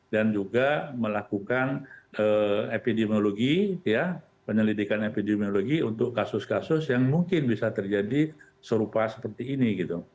dan juga melakukan epidemiologi penyelidikan epidemiologi untuk kasus kasus yang mungkin bisa terjadi serupa seperti ini